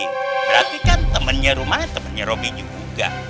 berarti kan temennya rumana temennya robi juga